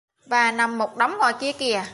Và nằm một đống ở ngoài kia kìa